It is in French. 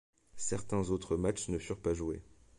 Certains autres matches ne furent pas joués.